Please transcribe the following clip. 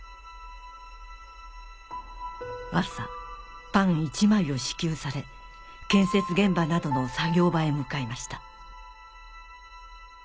朝パン１枚を支給され建設現場などの作業場へ向かいました